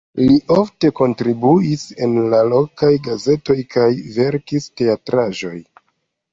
Li ofte kontribuis en la lokaj gazetoj kaj verkis teatraĵojn.